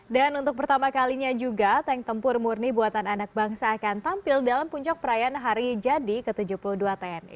dan untuk pertama kalinya juga tank tempur murni buatan anak bangsa akan tampil dalam puncok perayaan hari jadi ke tujuh puluh dua tni